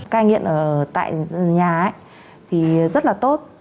cái nghiện ở tại nhà thì rất là tốt